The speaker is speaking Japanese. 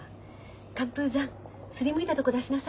「寒風山すりむいたとこ出しなさい。